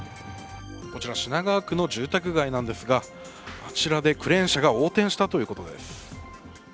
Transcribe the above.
こちら品川区の住宅街なんですがあちらでクレーン車が横転したということです。